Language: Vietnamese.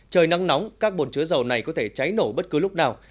trời nắng nóng các bồn chứa dầu này có thể cháy nổ bất cứ lúc nào